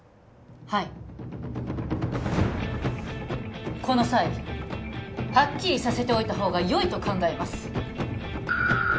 はいこの際ハッキリさせておいたほうがよいと考えます